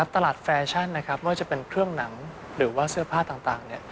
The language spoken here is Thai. แฟชั่นไม่ว่าจะเป็นเครื่องหนังหรือว่าเสื้อผ้าต่าง